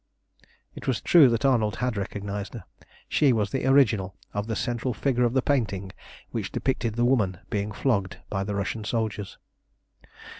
It was true that Arnold had recognised her. She was the original of the central figure of the painting which depicted the woman being flogged by the Russian soldiers.